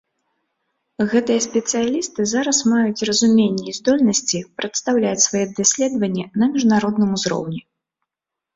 Гэтыя спецыялісты зараз маюць разуменне і здольнасці прадстаўляць свае даследаванні на міжнародным узроўні.